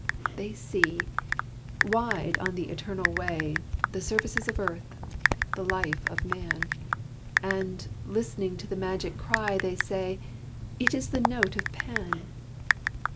They see, wide on the eternal way, The services of earth, the life of man; And, listening to the magic cry they say: "It is the note of Pan!"